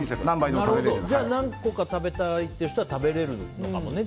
じゃあ何個か食べたいって人は食べれるのかもね。